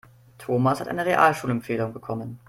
Thomas hat eine Realschulempfehlung bekommen.